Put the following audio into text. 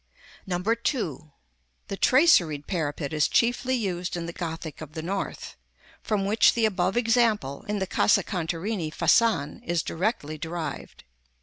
§ XVIII. (2.) The Traceried Parapet is chiefly used in the Gothic of the North, from which the above example, in the Casa Contarini Fasan, is directly derived.